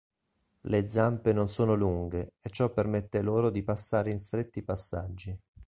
Le zampe non sono lunghe e ciò permette loro di passare in stretti passaggi.